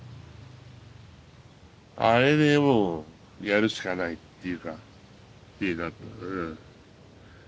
あれでもうやるしかないっていうか気になったかなあ。